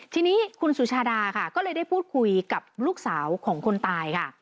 ทีนี้คุณสุชาดาค่ะก็เลยได้พูดคุยกับลูกสาวของคนตายค่ะ